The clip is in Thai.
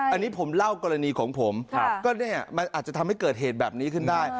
อันนี้ผมเล่ากรณีของผมก็เนี่ยมันอาจจะทำให้เกิดเหตุแบบนี้ขึ้นได้